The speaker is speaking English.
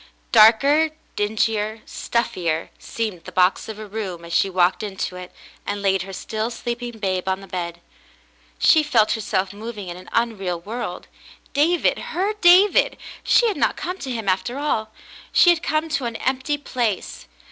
Darker, dingier, stuffier, seemed the box of a room, as she walked into it and laid her still sleeping babe on the David's Ancestors 271 bed. She felt herself moving In an unreal world. David — her David — she had not come to him after all ; she had come to an empty place.